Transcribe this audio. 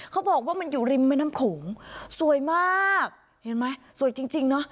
เขาบอกว่ามันอยู่ริมแม่น้ำโขงสวยมากเห็นไหมสวยจริงเนอะ